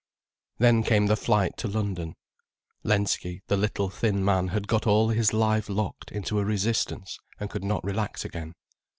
Then came the flight to London. Lensky, the little, thin man, had got all his life locked into a resistance and could not relax again.